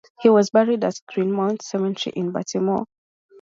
He was buried at Green Mount Cemetery in Baltimore.